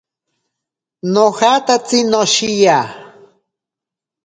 Nojatatsi noshiya.